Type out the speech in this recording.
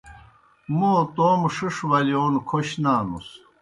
موں توموْ ݜِݜ ولِیون کھوش نانُس۔